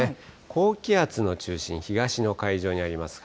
高気圧の中心、東の海上にあります。